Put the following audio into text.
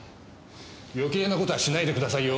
余計な事はしないでくださいよ。